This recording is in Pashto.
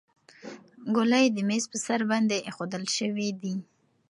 ګولۍ د میز په سر باندې ایښودل شوې دي.